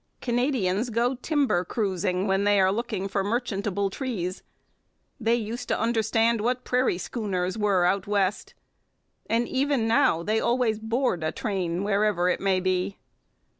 Canadians go 'timber cruising' when they are looking for merchantable trees; they used to understand what 'prairie schooners' were out West; and even now they always 'board' a train wherever it may be.